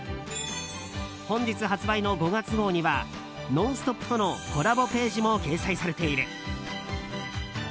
本日、発売の５月号には「ノンストップ！」とのコラボページも掲載されている。